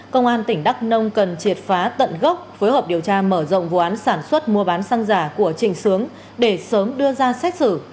công an tỉnh đắk nông cần triệt phá tận gốc phối hợp điều tra mở rộng vụ án sản xuất mua bán xăng giả của trình sướng để sớm đưa ra xét xử